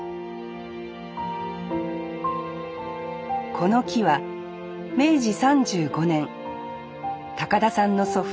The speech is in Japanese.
この木は明治３５年田さんの祖父